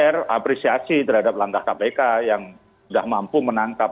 saya tidak mengapresiasi terhadap langkah kpk yang sudah mampu menangkap